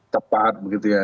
dapat begitu ya